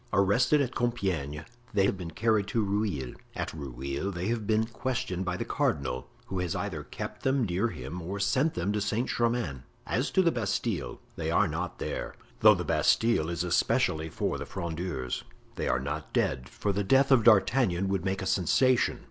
Arrested at Compiegne, they have been carried to Rueil; at Rueil they have been questioned by the cardinal, who has either kept them near him or sent them to Saint Germain. As to the Bastile, they are not there, though the Bastile is especially for the Frondeurs. They are not dead, for the death of D'Artagnan would make a sensation.